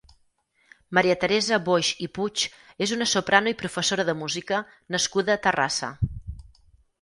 Maria Teresa Boix i Puig és una soprano i professora de música nascuda a Terrassa.